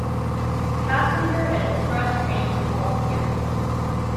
Passenger and Express trains halt here.